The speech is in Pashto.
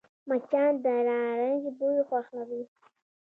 مچان د نارنج بوی خوښوي